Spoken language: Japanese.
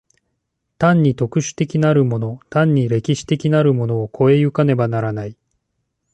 単に特殊的なるもの単に歴史的なるものを越え行かねばならない。